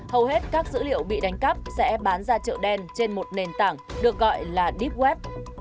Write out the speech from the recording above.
hầu hết các dữ liệu bị đánh cắp sẽ bán ra trợ đen trên một nền tảng được gọi là deep web